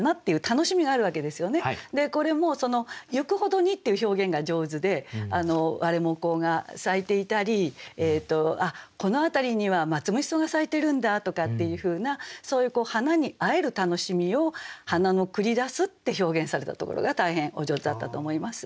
これも「行くほどに」っていう表現が上手でワレモコウが咲いていたりこの辺りにはマツムシソウが咲いてるんだとかっていうふうなそういう花に会える楽しみを「花の繰り出す」って表現されたところが大変お上手だったと思います。